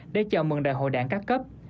để chào mừng đại hội đảng các cấp